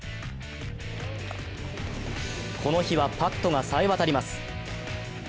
この日はパットがさえ渡ります。